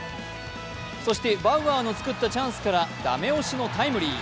そしてバウアーのつくったチャンスから駄目押しのタイムリー。